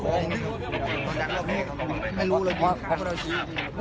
มีผู้ที่ได้รับบาดเจ็บและถูกนำตัวส่งโรงพยาบาลเป็นผู้หญิงวัยกลางคน